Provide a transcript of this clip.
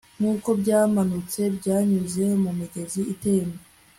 Nkuko byamanutse byanyuze mumigezi itemba